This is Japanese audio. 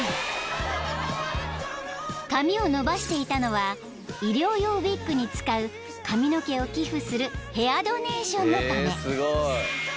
［髪を伸ばしていたのは医療用ウィッグに使う髪の毛を寄付するヘアドネーションのため］